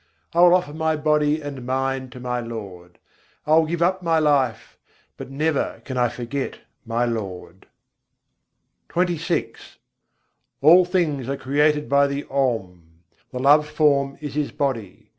I will offer my body and mind to my Lord: I will give up my life, but never can I forget my Lord! XXVI II. 75. ônkâr siwae kôî sirjai All things are created by the Om; The love form is His body.